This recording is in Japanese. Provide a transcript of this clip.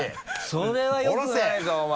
それはよくないぞお前。